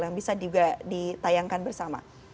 yang bisa juga ditayangkan bersama